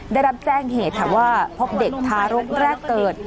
ได้รับแจ้งเหตุค่ะว่าพบเด็กทารกแรกเกิด